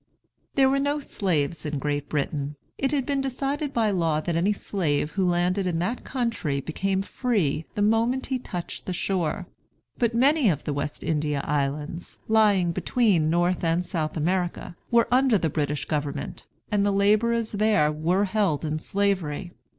There were no slaves in Great Britain. It had been decided by law that any slave who landed in that country became free the moment he touched the shore. But many of the West India islands, lying between North and South America, were under the British government, and the laborers there were held in Slavery.